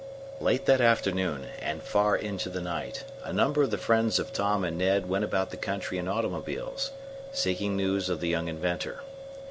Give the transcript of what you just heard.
Late that afternoon, and far into the night, a number of the friends of Tom and Ned went about the country in automobiles, seeking news of the young inventor.